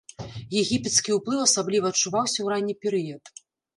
Егіпецкі ўплыў асабліва адчуваўся ў ранні перыяд.